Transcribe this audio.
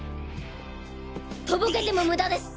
とぼけてもムダです！